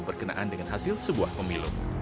berkenaan dengan hasil sebuah pemilu